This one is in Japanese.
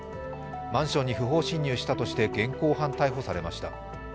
マンションに不法侵入したとして現行犯逮捕されました。